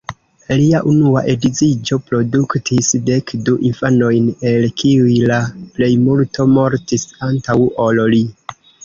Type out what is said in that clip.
Lia unua edziĝo produktis dekdu infanojn, el kiuj la plejmulto mortis antaŭ ol li.